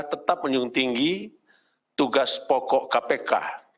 saya tetap menunggu tinggi tugas pokok kpk